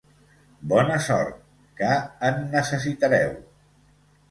Bona sort, que en necessitareu!